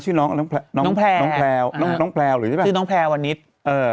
ชื่อน้องแพลวชื่อน้องแพลวอันนี้